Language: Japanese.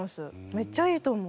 めっちゃいいと思う。